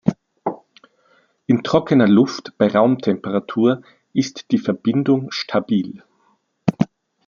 In trockener Luft bei Raumtemperatur ist die Verbindung stabil.